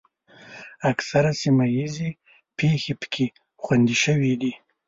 اکثره سیمه ییزې پېښې پکې خوندي شوې دي.